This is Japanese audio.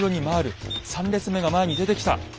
３列目が前に出てきた。